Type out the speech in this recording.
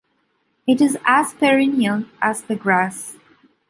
It is as perennial as the grass.